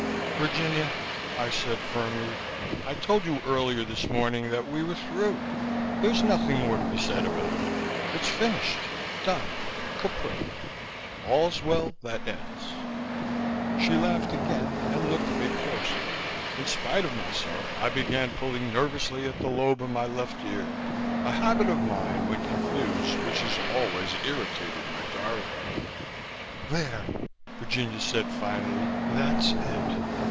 "Virginia," I said firmly, "I told you earlier this morning that we were through. There's nothing more to be said about it. It's finished, done, kaput! All's well that ends." She laughed again, and looked at me closely. In spite of myself, I began pulling nervously at the lobe of my left ear, a habit of mine when confused which has always irritated my Dorothy. "There!" Virginia said finally, "that's it!"